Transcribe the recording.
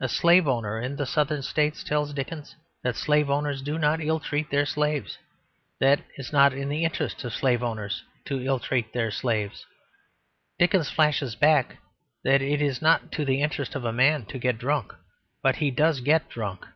A slave owner in the Southern States tells Dickens that slave owners do not ill treat their slaves, that it is not to the interest of slave owners to ill treat their slaves. Dickens flashes back that it is not to the interest of a man to get drunk, but he does get drunk.